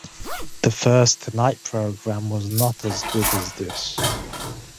The first "Tonight" programme was not as good as this.